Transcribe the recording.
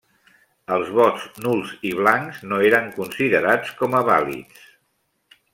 Els vots nuls i blancs no eren considerats com a vàlids.